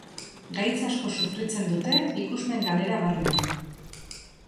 Gaitz asko sufritzen dute, ikusmen galera barne.